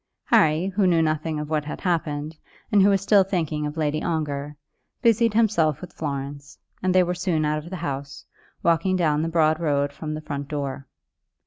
Harry, who knew nothing of what had happened, and who was still thinking of Lady Ongar, busied himself with Florence, and they were soon out of the house, walking down the broad road from the front door.